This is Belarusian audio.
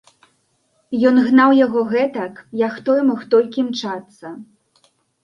Ён гнаў яго гэтак, як той мог толькі імчацца.